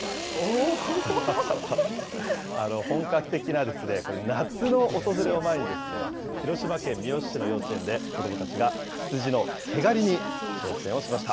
本格的な夏の訪れを前に、広島県三次市の幼稚園で子どもたちが羊の毛刈りに挑戦をしました。